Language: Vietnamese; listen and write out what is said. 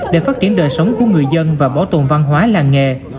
để phát triển đời sống của người dân và bảo tồn văn hóa làng nghề